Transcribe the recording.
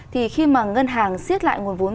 thì khi mà ngân hàng xiết lại nguồn vốn